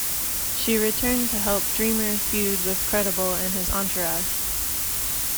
She returned to help Dreamer feud with Credible and his entourage.